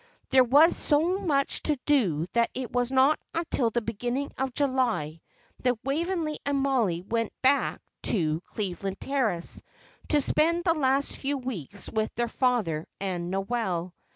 There was so much to do that it was not until the beginning of July that Waveney and Mollie went back to Cleveland Terrace to spend the last few weeks with their father and Noel.